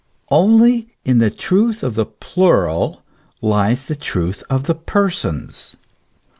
Only in the truth of the plural lies the truth of the Persons.